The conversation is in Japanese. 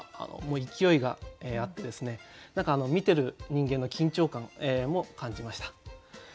もう勢いがあって見てる人間の緊張感も感じました。